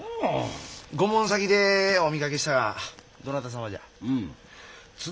御門先でお見かけしたがどなた様じゃ？